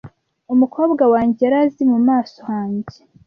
umukobwa wanjye yari azi mu maso hanjye